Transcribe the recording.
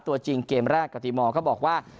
ตัวจริงเกมแรกกติมอลก็บอกว่า